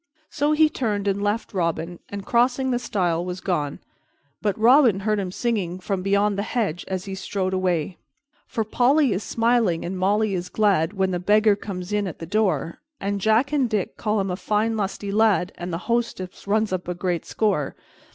So he turned and left Robin and, crossing the stile, was gone, but Robin heard him singing from beyond the hedge as he strode away: "_For Polly is smiling and Molly is glad When the beggar comes in at the door, And Jack and Dick call him a fine lusty lad, And the hostess runs up a great score.